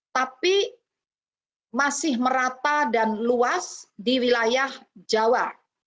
tapi masih merata dan luas di wilayah jawa